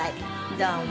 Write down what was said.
どうも。